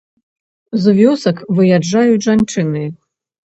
З вёсак выязджаюць жанчыны.